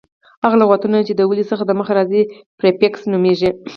هغه لغتونه، چي د ولي څخه دمخه راځي پریفکس نومیږي.